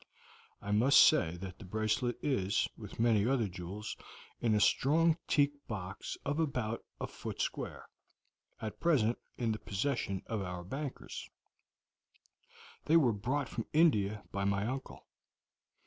I must say that the bracelet is, with many other jewels, in a strong teak box of about a foot square, at present in the possession of our bankers; they were brought from India by my uncle.